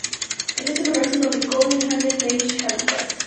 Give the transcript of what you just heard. En este lugar se fabricó el Handley Page Halifax.